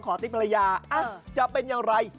ขอติ๊บประยาอาจจะเป็นอย่างไร